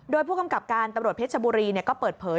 โดยผู้กำกับการตำรวจเพชรชบุรีก็เปิดเผย